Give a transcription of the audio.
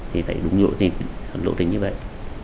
thì phải đúng lộ trình như vậy